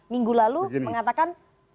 minggu lalu mengatakan